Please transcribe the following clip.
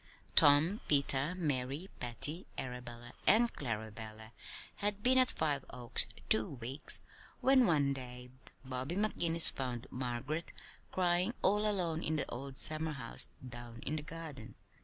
Tom, Peter, Mary, Patty, Arabella, and Clarabella had been at Five Oaks two weeks when one day Bobby McGinnis found Margaret crying all alone in the old summerhouse down in the garden.